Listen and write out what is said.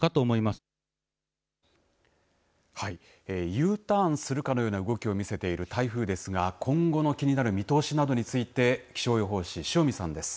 Ｕターンするかのような動きを見せている台風ですが今後の気になる見通しなどについてはい。